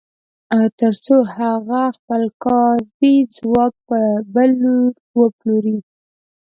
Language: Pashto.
تر څو هغه خپل کاري ځواک په بل وپلوري